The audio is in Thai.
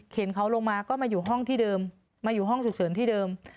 เห็นเขาลงมาก็มาอยู่ห้องที่เดิมมาอยู่ห้องฉุกเฉินที่เดิม